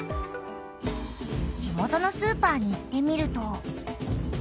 地元のスーパーに行ってみると。